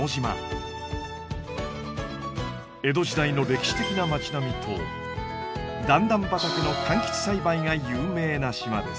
江戸時代の歴史的な町並みと段々畑のかんきつ栽培が有名な島です。